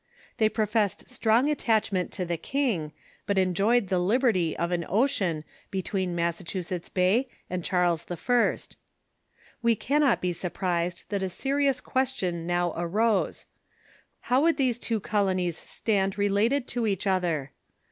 They professed strong attachment to the king, but enjoyed the liberty of an ocean between Massachusetts Bay and Charles I. We cannot be surprised that a serious question now arose : How would these two colonies stand related to each other?